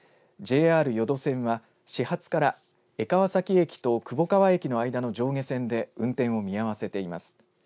ＪＲ予土線は始発から江川崎駅と窪川駅の間の上下線で運転を見合わせています。